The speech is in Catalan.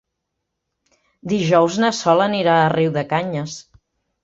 Dijous na Sol anirà a Riudecanyes.